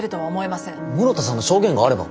室田さんの証言があれば。